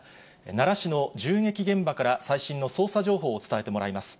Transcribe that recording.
奈良市の銃撃現場から、最新の捜査情報を伝えてもらいます。